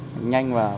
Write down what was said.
đánh nhanh và